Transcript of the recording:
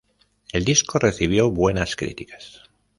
El disco recibió buenas críticas.